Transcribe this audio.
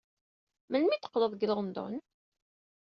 Melmi ay d-teqqleḍ seg London?